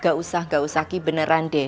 gak usah gak usah ki beneran deh